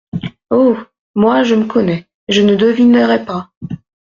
Oh ! moi, je me connais ! je ne devinerai pas !